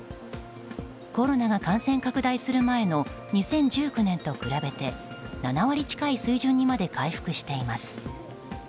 コロナが感染拡大する前の２０１９年と比べて７割近い水準にまで回復しています。